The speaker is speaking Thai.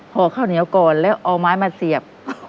ห่อข้าวเหนียวก่อนแล้วเอาไม้มาเสียบ